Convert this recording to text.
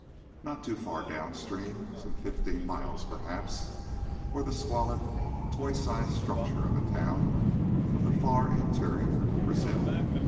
Not too far downstream some fifteen miles, perhaps were the squalid, toy sized structures of a town of the far interior of Brazil.